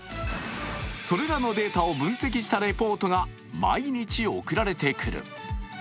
それらのデータを分析したリポートが毎日送られてくる。